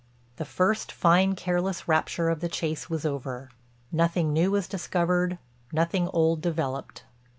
The first, fine careless rapture of the chase was over; nothing new was discovered, nothing old developed.